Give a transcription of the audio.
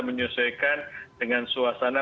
menyesuaikan dengan suasana